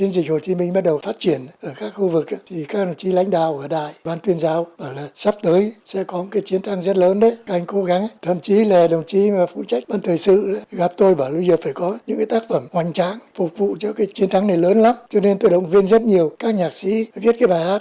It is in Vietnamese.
gặp tôi bảo lúc trước phải có những tác phẩm hoành tráng phục vụ cho chiến thắng này lớn lắm cho nên tôi động viên rất nhiều các nhạc sĩ viết bài hát